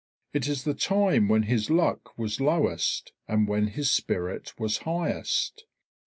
It is the time when his luck was lowest and when his spirit was highest.